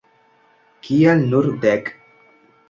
Kial nur dek?